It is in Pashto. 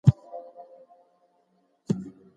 تيارې به يوازې په رڼا ختميږي.